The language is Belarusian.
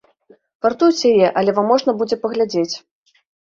Вартуюць яе, але вам можна будзе паглядзець.